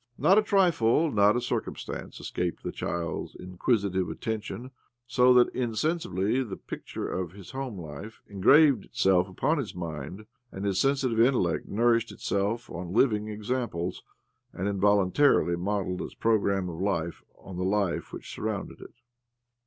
Not a trifle, not a circumstance, escaped the child's inquisitive attention, so that insensibly the picture of his home life engraved itself upon his mind, and his sensitive intellect nourished itself on living examples, and involuntarily modelled its programme of life on the life which sur rounded it.